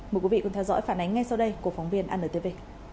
mời quý vị theo dõi phản ánh ngay sau đây của phóng viên anntv